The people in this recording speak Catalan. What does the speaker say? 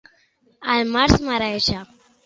El març mareja.